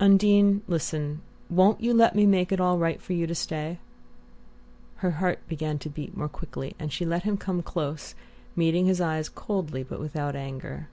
"Undine, listen: won't you let me make it all right for you to stay?" Her heart began to beat more quickly, and she let him come close, meeting his eyes coldly but without anger.